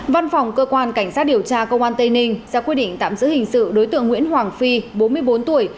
văn phòng cơ quan cảnh sát điều tra công an tây ninh ra quyết định tạm giữ hình sự đối tượng nguyễn hoàng phi bốn mươi bốn tuổi